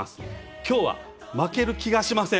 きょうは負ける気がしません。